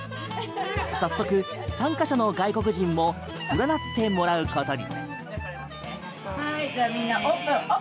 早速、参加者の外国人も占ってもらうことに。